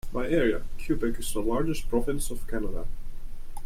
By area, Quebec is the largest province of Canada.